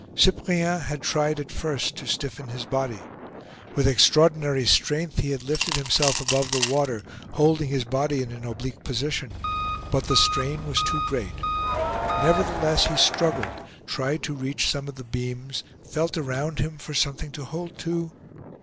Cyprien had tried at first to stiffen his body. With extraordinary strength, he had lifted himself above the water, holding his body in an oblique position. But the strain was too great. Nevertheless, he struggled, tried to reach some of the beams, felt around him for something to hold to.